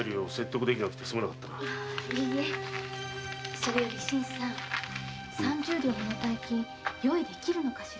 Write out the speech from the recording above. それより三十両もの大金用意できるのかしら？